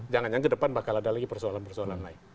jangan jangan ke depan bakal ada lagi persoalan persoalan lain